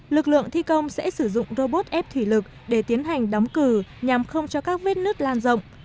lực lượng thi công sẽ sử dụng robot ép thủy lực để tiến hành đóng cửa nhằm không cho các vết nứt lan rộng